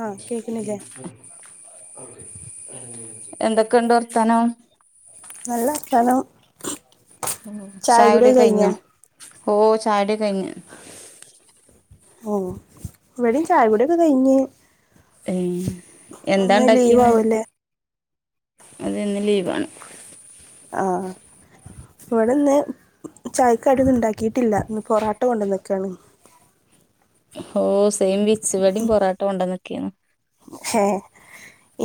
ആഹ് ജി കേക്കണില്ലേ പൈ എന്തൊക്കെുണ്ട് വർത്താനം നല്ലവർത്താനം ചായ കൂടിക്കെ കഴിഞ്ഞോ ഓ ചായടി ഒക്കെ കഴിഞ്ഞ് ഓ ഇവ്ടെ ചായ കൂടിഒക്കെ കയിഞ്ഞ്- ഏയ് എന്താ ഇണ്ടാക്കീന്ന്- ആവുല്ലേ അത് ഇന്ന് ലീവാണ് ആ ഇവിടെ ഇന്ന് ചായക്കടിന്നും ഇണ്ടാക്കിട്ടില്ല ഇന്ന് പൊറട്ട കൊണ്ടുവന്നൊക്കെയാണ്- ഓ സെയിം പിച്ച് ഇവിടെ പൊറട്ട കൊണ്ടേന്ന്- ക്ക്‌യ്നു ഹേ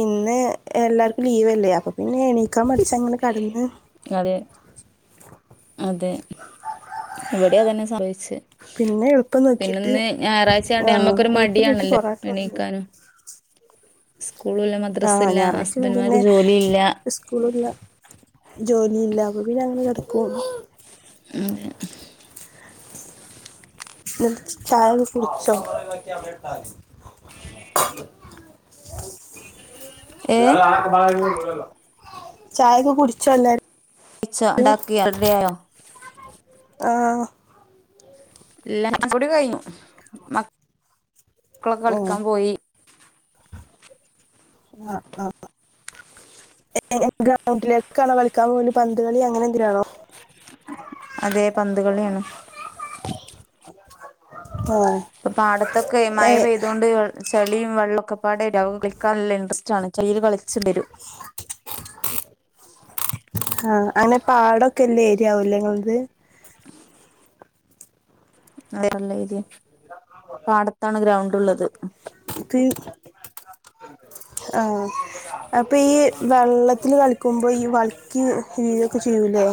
ഇന്ന് എല്ലാർക്കും ലീവ് അല്ലേ അപ്പൊ പിന്നെ എണീക്കാൻ മഠിച്ചങ്ങനെ കെടന്ന്- അതെ അതെ ഇവിടെ അതന്നെ സംഭവിച്ചേ പിന്നെ എളുപ്പം നോക്കിട്ട് പിന്നെന്ന് ഞായറാഴ്ചയാണ്ട് ആഹ് മ്മക്കൊരു എളുപ്പം നോക്കി മടിയണല്ലോ പൊറാട്ട കൊണ്ടന്ന് എണീക്കാനും സ്കൂളല്ല മദ്രസ ആഹ് ഇല്ല ഞായറാഴ്ച പിന്നെ ഹസ്ബൻമാർക്ക് ജോലിയില്ല- സ്കൂളില്ല ജോലിയില്ല അപ്പ പിന്നെ അങ്ങനെ കിടക്കും ഹും എന്നിട്ട് ചായക്കെ കുടിച്ചോ- ഏ [unintelligible] ചായൊക്കെ കുടിച്ചോല്ലാര്- പച്ച ഉണ്ടാക്കി റഡിയോ- ആ ഇല്ല ചായകൂടി കഴിഞ്ഞു മക്- മക്കളൊക്കെ ഓ കളിക്കാൻ പോയി ആ ആ ഗ്രൗണ്ടിലേക്കാണോ കളിക്കാൻ പോല പന്ത് കളി അങ്ങനെ എന്തിനാണോ അതെ പന്ത് കളിയാണ് അ [unintelligible] അ പാടത്തൊക്കെ മഴ പെയ്തുകൊണ്ട് ചെ- ളിയും വെള്ളൊക്കെ പാട കളിക്കൻ നല്ല ഇൻട്രസ് ആണ്ൽചെളീ കളി- ചെവരൂ- ആ അങ്ങനെ പാടൊക്കെ ഇല്ല ഏരിയാവല്ലേത് ഇങ്ങടത്- അതേയുള്ള ഏരിയ ആണ് പാടത്താണ് ഗ്രൗണ്ട് ള്ളത് അപ്പ ആഹ അപ്പൊ ഈ വെള്ളത്തില് കളിക്കുമ്പോ ഈ വഴ്ക്കിവീഴുക്കേചെയ്യൂലേ-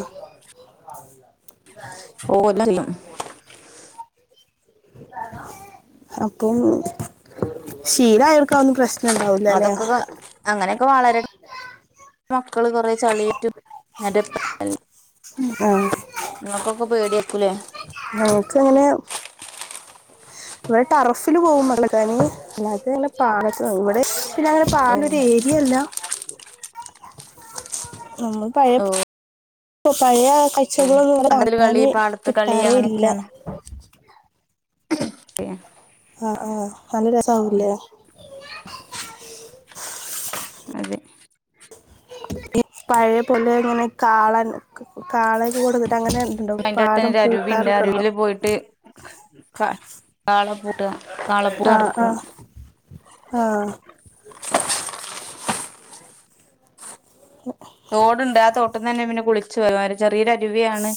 ഓന്നയുളള് അപ്പം ശീല ആയർക്കാതൊന്നും പ്രശ്ന- അതൊക്കെ അങ്ങനെ- [unintelligible] വളരണ മക്കള് കൊറേ ചളിയേറ്റും [unintelligible] ആഹ് മക്കക്കൊക്കെ പേടിയായിരിക്കും ല്ലേ- നമുക്ക് അങ്ങനെ ഇവിടെ ടർഫില് പോകും [unintelligible] അല്ലാതെ [unintelligible] ഇവിടെ പിന്നെ അങ്ങനെ ഓ [unintelligible] ഒരു ഏരിയല്ല [inaudible] നമ്മള് പയ ഓ [unintelligible] പക്ഷികളൊന്നും പണ്ടത്തില് കളി കാണാന് പാടത്ത് കളി കിട്ടാറേ ഇല്ല അങ്ങനെയൊക്കെയാണ് [unintelligible] ആഹ് ആഹ് നല്ല [unintelligible] അതെ ഈ പഴയ പോലെ ഇങ്ങനെ കാളൻ കാള കൂടെ അയിന്റെ അടുത്ത് തന്നെ ഒരു അരുവിണ്ട് ഉണ്ടോ അരുവിൽ പോയിട്ട് കാള കാളപ്പൂട്ടുവാ കാളപ്പൂട്ട് ആ ആ നടക്കും ആ തോടുണ്ട് ആ തോട്ടംന്ന് തന്നെ പിന്നെ കുളി [unintelligible] ചെറിയോര അരുവിയാണ്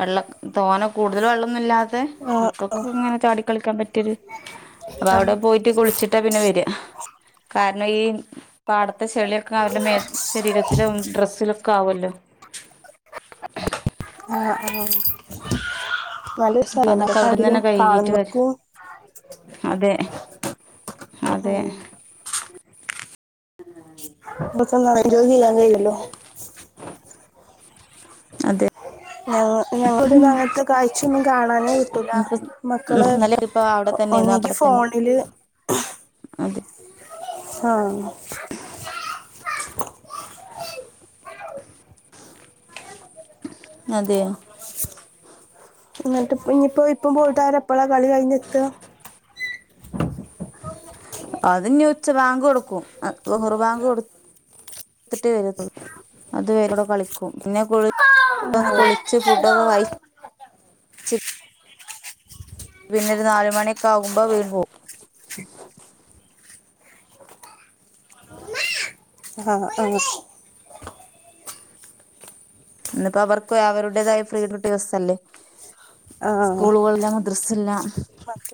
വെള്ളം തോനെ കൂടുതൽ വെള്ളൊന്നില്ലാത്ത ആ മക്കക്കിങ്ങനെ ചാടിക്കളിക്കാൻ പറ്റിയൊരു അപ്പ ആ അവിടെപ്പോയിട്ട് കുളിച്ചിട്ടാപ്പിന്നെ വര്യാ കാ [unintelligible] പാടത്തെ ചെളിയൊക്കെ അവരുടെ മേത് ശരീരത്തി ത്തിലും ഡ്രസ്സിലൊക്കെ ആവല്ലോ [unintelligible] ആഹ് ആഹ് അപ്പൊ അതൊക്കെ അവിടുന്ന് തന്നെ കൈകിട്ട് വരും അതെ അതെ ഉം [unintelligible] അതെ ഞ ഞങ്ങളട ഒന്നും അങ്ങനത്തെ കാഴ്ചൊന്നും കാണാനേ കിട്ടൂല്ല നമുക്ക് മക്കള് ഇന്നലെ ഇപ്പൊ അവിടെ തന്നെയായിരുന്നു ഒനിങ്കി അവിടെ തന്നെ ഫോണില് അതെ ആഹ് [unintelligible] അതെയ എന്നിട്ട് ഇപ്പൊ ഇനിയിപ്പോ ഇപ്പം പോയിട്ട ആവര് എപ്പോളാ കളി കഴിഞ്ഞെത്യാ അത്ഇനി ഉച്ചവാങ്ക് കൊടുക്കും [unintelligible] കൊടു എടുത്തിട്ടേ വരുതുള്ളൂ അത് വരെ ഓല് കളിക്കും [unintelligible] ആഹ് കുളിച്ച് ഫുഡൊക്കെ കഴി ചിപ് പിന്നൊരു നാലമണിക്കെ ആവുംമ്പോ [unintelligible] ആഹ് ആഹ് ഇന്നിപ്പോ അവർക്ക് അവരുടേതായ ഫ്രീ കിട്ടിയ ദിവസ്സല്ലേ ആഹ് ആഹ് സ്കൂളുകളല്ല മദ്രസില്ല ആഹ്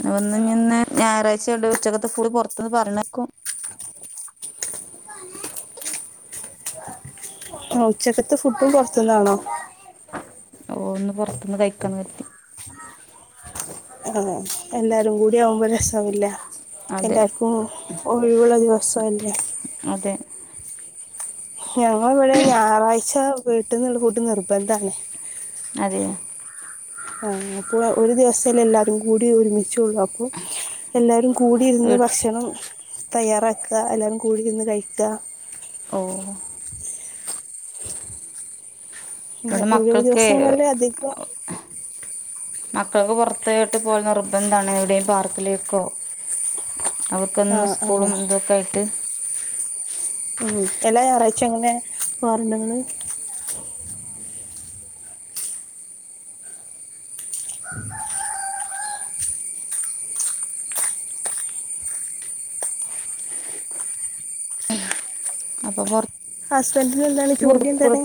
പ്പോ ഞ്ന്ന് ഞായറാഴ്ചണ്ട് ഉച്ചകത്തെ ഫുള് പുറത്തന്ന് പറഞ്ഞയക്കും ആ ഉച്ചകത്ത് ഫുഡ് പൊറത്ത്ന്നാണോ ഓ ന്ന് പൊറത്ത്ന്ന് കഴിക്കാന്ന് കര്തി ആ എല്ലാരും കൂടി ആകുമ്പോ രസല്ലേ അതെ എല്ലാര്ക്കും ഒഴിവുള്ള ദിവസല്ലേ അതെ ഞങ്ങളെവ്ടെ ഞായറായിച്ചവീട്ടിന്നു ഒരു കൂട്ട് നിർബന്ധം ആണ് അതെയോ [unintelligible] ഒരു ദിവസല്ലേ എല്ലാരുംകൂടി ഒരുമിച് ട്ടുള്ളു അപ്പൊ വീ എല്ലാരുംകൂടിര്ന്ന് ഭക്ഷണം തയ്യാറാക്ക എല്ലാരും കൂടി ഇരുന്ന് കഴിക്ക ഓ [inaudible] ന്നെ ഇവിടെ ഒഴിവ് മക്കൾക്ക് ദിവസങ്ങളിൽ അധികം മക്കൾക്ക്‌ പൊറത്തോട്ട് പോകൽ നിർബന്താണ് എവിടെ പാർക്കിലേക്കോ ആ അവർക്കെന്നും ആ സ്കൂളും ഇതൊക്കെ ആയിട്ട് ഉം എല്ലാം ഞായറായ്ച്ച അങ്ങനെ പോവാറുണ്ടോ ങ്ങള് അപ്പൊ പൊറ ഹസ്ബന്റിന് എന്താണ് ജോലി എന്താണ്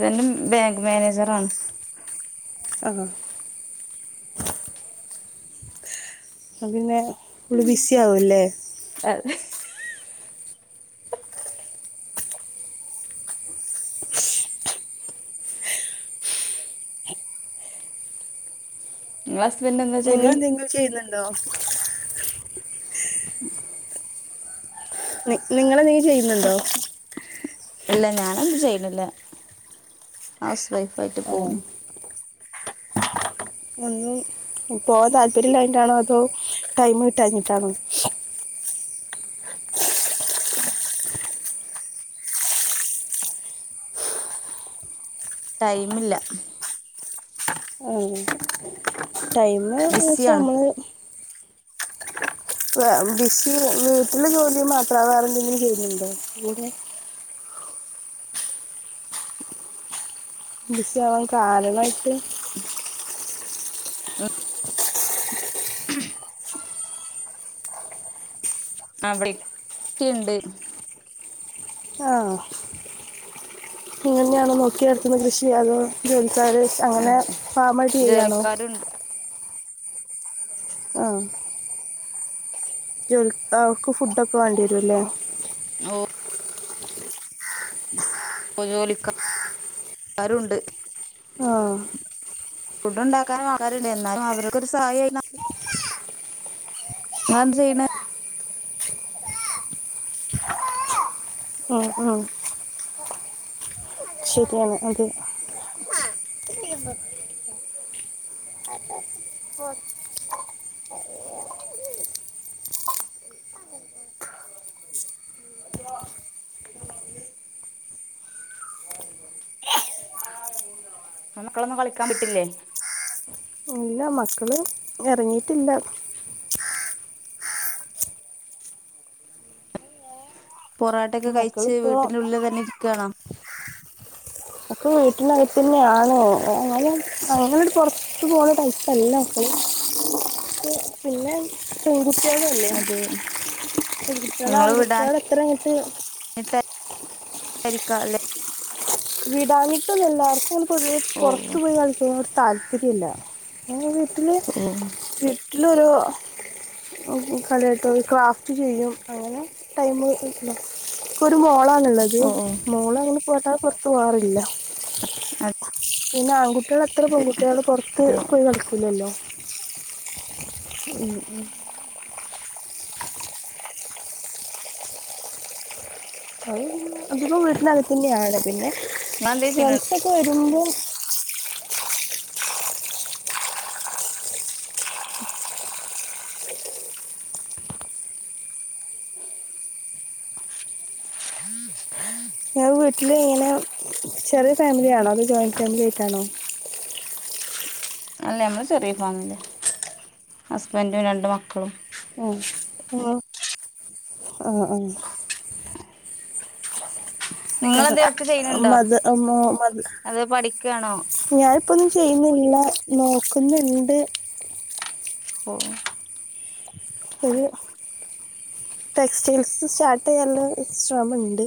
ഹസ്ബന്റ് ബാങ്ക് മാനേജർ ആണ് ആ അപ്പൊ പിന്നെ ഫുള്ള് ബിസി ആകുല്ലേ അതെ നിങ്ങളെ ഹസ്ബന്റനെന്താ ജോ നിങ്ങൾ എന്തങ്കിലും ചെയ്യ്ന്ന് ണ്ടോ നി നിങ്ങൾ എന്തെങ്കിലും ചെയ്യുന്ന്ണ്ടോ ഇല്ല ഞാൻ ഒന്നും ചെയ്യ്ണില്ല ഹസ്ബന്റ് ആയിട്ട് ആ പോണു ഒന്നും പോകാൻ താല്പര്യം ഇല്ലാഞ്ഞിട്ടാണോ അതൊ ടൈം കിട്ടാഞ്ഞിട്ടാണോ ടൈം ഇല്ല ആ ടൈം ന്നവെച്ചാ ബിസിയാണ് നമ്മള് ബിസി വീട്ടിലെ ജോലി [unintelligible] ബിസി ആവാൻ കാരണായിട്ട് [inaudible] അവിടെ ക്കെണ്ട് ആ നീ തന്നെയാണോ നോക്കിനടത്തുന്നെ കൃഷി അതൊ [unintelligible] അങ്ങനെ അതെ ഫാമായിട്ട് ചെയ്യാണോ ജോലിക്കാരുണ്ട് ആ ജോലിക്ക് ആ ഒക്കെ ഫുഡ് ഒക്കെ വേണ്ടി വരും അല്ലേ ഓ ജോലിക്കാരുണ്ട് ആ ഫുഡ്‌ ഉണ്ടാക്കാനും ആൾക്കാർ ഉണ്ട് എന്നാലും അവര്ക്കൊരു സഹായി ആയി നിങ്ങൾ എന്താ ചെയ്യണ് ഉം, ഉം. ശരിയാണ് അതെ [inaudible] മക്കളെ കളിക്കാൻ വിട്ടില്ലേ ഇല്ല മക്കള് ഇറങ്ങിയിട്ടില്ല പൊറാട്ട ഒക്കെ കഴിച്ച് മക്കളിപ്പോ വീട്ടിനുള്ളിൽ തന്നെ ഇരിക്കണാ എനിക്ക് വീട്ടിനകത്തു തന്നെയാണോ [unintelligible] വിട്ട് പോന്ന ടൈപ്പ് അല്ല അത് അതെ നിങ്ങൾ [unintelligible] എനിക്കാ [unintelligible] വിടാഞ്ഞിട്ട് ഒന്നുല്ല പൊതുവെ ഓ ഓ പുറത്ത് പോയി പഠിക്കുന്നെന് താൽപ്പര്യം ഇല്ല [inaudible] ഇയ്യയ്യോ ഓ ടൈം കിട്ടില്ല എനിക്ക് ഒരു മോളാണുള്ളത് ഓ ഓ മോളെ ഇപ്പൊ പോവാറില്ല അതെ പിന്നെ ആൺക്കുട്ടി നിങ്ങൾ എത്ര പെൺകുട്ടികൾ പുറത്ത് അതെ പോയി പഠിക്കുന്നുണ്ടോ ഉം ഉം ആയിനെന്താ അധികം വീടിനകത്തു തന്നെ ആണ് പിന്നെ നിങ്ങളെന്തേ ചെയ്യണ് ഫ്രണ്ട്‌സ് ഒക്കെ വരുമ്പോൾ ഞാൻ വീട്ടിൽ ഇങ്ങനെ ചെറിയ ഫാമിലി ആണോ അതൊ ജോയിന്റ് ഫാമിലി ആയിട്ടാണോ അല്ല നമ്മള് ചെറിയ ഫാമിലി ആ ഹസ്ബൻഡ് രണ്ട് മക്കളും ഉം ആം ആം [unintelligible] നിങ്ങളെന്തേ വർക്ക് ചെയ്യണുണ്ടോ അതോ പഠിക്കാണോ വർക്ക്‌ ചെയ്യുന്നില്ല നോക്കുന്നിണ്ട് ഓ ഓ ശെരിയാ ടെസ്റ്റിൽസ് സ്റ്റാർട്ട്‌ ചെയ്യാൻ എക്സ്ട്രം ഉണ്ട്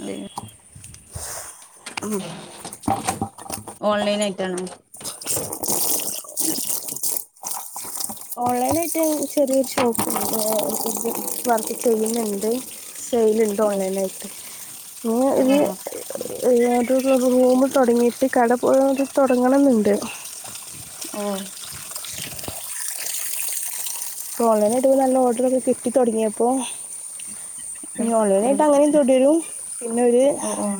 അതെയ ഉം ഓൺലൈൻ ആയിട്ടാണോ ചെറിയ ഷോപ്പ് വർക്ക്‌ ചെയുന്നുണ്ട് കയ്യിലുണ്ട് ഓ ഓൺലൈൻ ആയിട്ട് ഓ ഞാൻ ഒരു റൂമ് തുടങ്ങിയിട്ട് കട പോലെ തുടങ്ങണം എന്നുണ്ട് ആഹ ഓൺലൈന ആായിട്ട് ഇ നല്ല ഓർഡർൊക്കെ കിട്ടി തുൊടങ്ങിയപ്പോൊ ഒരു ഞോളുവനായിട്ട് അങ്ങനെ എന്തോടി വരും പിന്നെരു ഓ ഓ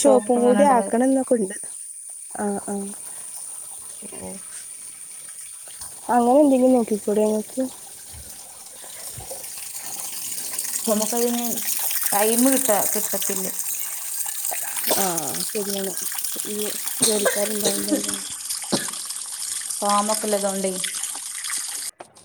ഷോപ്പ് അങ്ങനെ കൂടി ഉണ്ടാവരുത് ആക്കണം എന്നൊക്കെ ഉണ്ട് ആ ആ ഉഏ അങ്ങനെ എന്തെങ്കിലും നോക്കിപ്പോൂടെ ങ്ങക്ക് നമുക്കതിന് ടൈം കിട്ട കിട്ടത്തില്ല ആ ശരിയാണ് ജോലിക്കാരുണ്ടായില്ല ഫോമൊക്കുള്ളതുോണ്ടേ